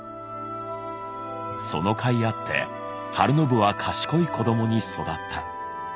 そのかいあって晴信は賢い子どもに育った。